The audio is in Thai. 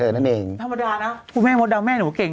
ยิบบ้าัึ